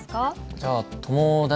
じゃあ友達に。